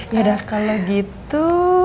ya udah kalau gitu